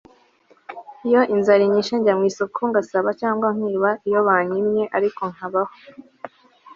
iyo inzara inyishe njya mwisoko ngasaba cyangwa nkiba iyo banyimye ariko nkabaho